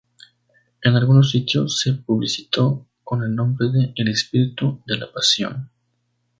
En algunos sitios se publicitó con el nombre de "El espíritu de la pasión".